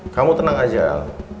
kamu tenang aja al